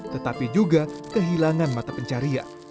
tetapi juga kehilangan mata pencarian